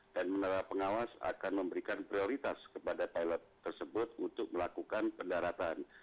dan menara pengawas akan memberikan prioritas kepada pilot tersebut untuk melakukan pendaratan